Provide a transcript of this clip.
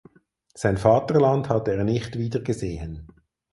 Sein Vaterland hatte er nicht wiedergesehen.